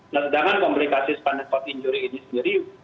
nah sedangkan komplikasi spinal cord injury ini sendiri